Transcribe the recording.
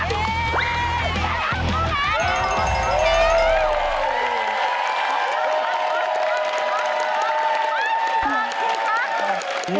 อย่าอย่า